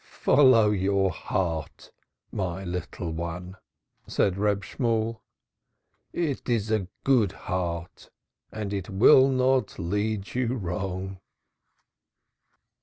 "Follow your heart, my little one," said Reb Shemuel. "It is a good heart and it will not lead you wrong."